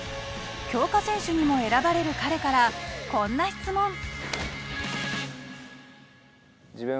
強化選手にも選ばれる彼からこんな質問。